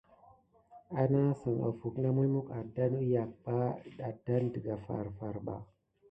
Kanasick ofuck na mulmuck adane àlékloe umpay ba dan farfar adan ba.